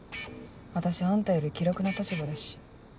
私あんたより気楽な立場だし。